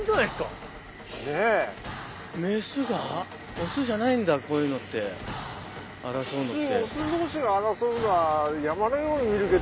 オスじゃないんだこういうのって争うのって。